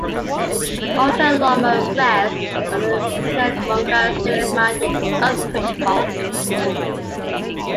Alta Loma rests on the Cucamonga-Sierra Madre earthquake fault.